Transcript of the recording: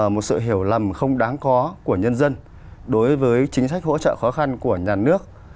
một sự hiểu lầm không đáng khó của nhân dân đối với chính sách hỗ trợ khó khăn của nhà nước